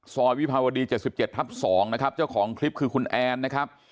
วิภาวดี๗๗ทับ๒นะครับเจ้าของคลิปคือคุณแอนนะครับ